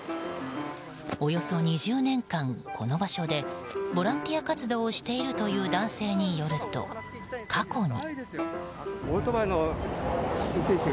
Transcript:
およそ２０年間この場所でボランティア活動をしているという男性によると過去に。